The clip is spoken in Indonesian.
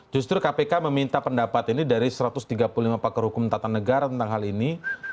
justru kpk meminta pendapat ini dari satu ratus tiga puluh lima pakar hukum tata negara tentang hal ini